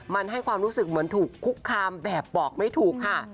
มันให้ความรู้สึกเหมือนถูกคุกคามแบบบอกไม่ถูกค่ะ